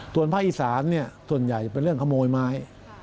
ส่วนภาคอีสานส่วนใหญ่เป็นเรื่องขโมยไม้